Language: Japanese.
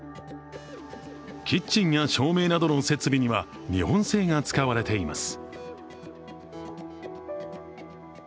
キッチンや照明などの設備には日本製が使われています。